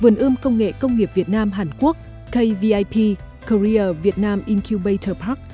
vườn ươm công nghệ công nghiệp việt nam hàn quốc kvip korea vietnam incubator park